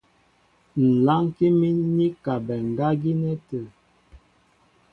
Ŋ̀ lánkí mín i kabɛ ŋgá gínɛ́ tə̂.